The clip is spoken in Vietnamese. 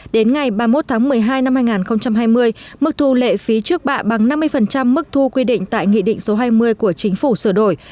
đến ngày ba mươi một tháng một mươi hai năm hai nghìn hai mươi mức thu lệ phí trước bạ bằng năm mươi mức thu quy định tại nghị định số hai mươi của chính phủ sửa đổi